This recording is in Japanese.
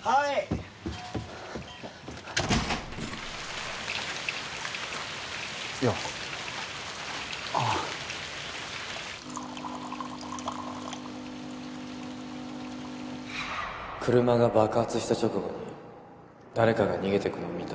はいようあ車が爆発した直後に誰かが逃げてくの見た